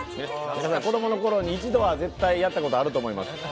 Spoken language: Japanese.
子供のころに一度は絶対やったことがあると思います。